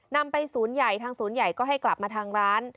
นำไปศูนย์ใหญ่ทางศูนย์ใหญ่ก็ให้กลับมาทางร้าน